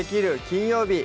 金曜日」